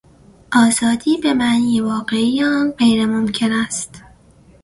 آزادی بهمعنی واقعی آن غیر ممکن است.